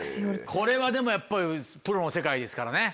これはでもやっぱりプロの世界ですからね。